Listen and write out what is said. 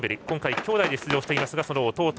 今回、兄弟で出場していますがその弟。